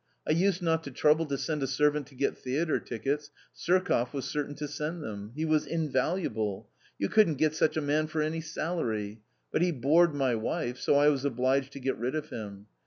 I used not to trouble to send a servant to get theatre tickets ; Surkoff was certain to send them ^ he was invaluable ! you couldn't get such a man for any salary ; but he bored my wife so I was obliged to get rid of him.